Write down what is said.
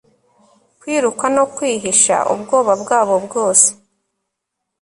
kwiruka no kwihisha ubwoba bwabo bwose